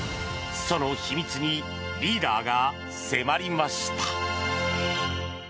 その秘密にリーダーが迫りました。